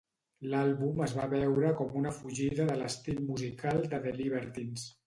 L'àlbum es va veure com una fugida de l'estil musical de The Libertines.